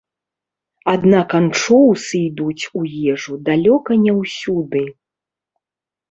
Аднак анчоўсы ідуць у ежу далёка не ўсюды.